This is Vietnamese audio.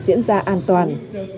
diễn ra an toàn